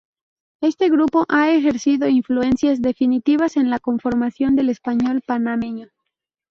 Este grupo ha ejercido influencias definitivas en la conformación del español panameño.